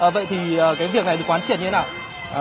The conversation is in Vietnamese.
vậy thì cái việc này được quán triệt như thế nào